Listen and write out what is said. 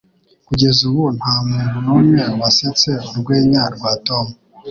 Kugeza ubu, nta muntu numwe wasetse urwenya rwa Tom.